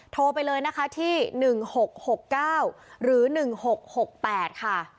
โทรไปเลยนะคะที่๑๖๖๙หรือ๑๖๖๘ค่ะ